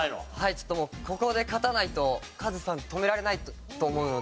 ちょっともうここで勝たないとカズさん止められないと思うので。